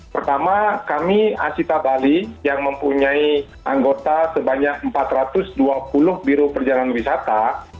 pertama kami asita bali yang mempunyai anggota sebanyak empat ratus dua puluh biro perjalanan wisata